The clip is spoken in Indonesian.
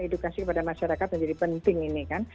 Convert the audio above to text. edukasi kepada masyarakat menjadi penting ini kan